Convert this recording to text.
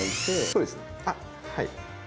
そうですあっはい。